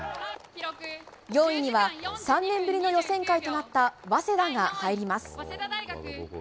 ４位には、３年ぶりの予選会となった早稲田が入ります。